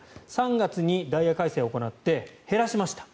３月にダイヤ改正を行って減らしました。